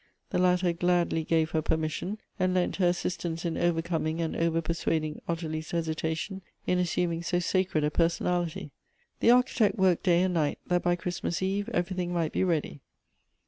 The latter gladly gave her permission, and lent her assistance in overcoming and overpersuading Ottilie's hesitation in assuming so sacred a personality. The Architect worked day and night, that by Christmas eve everything might be ready.